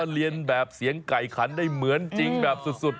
เรียนแบบเสียงไก่ขันได้เหมือนจริงแบบสุด